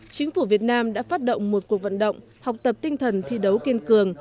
chính phủ việt nam đã phát động một cuộc vận động học tập tinh thần thi đấu kiên cường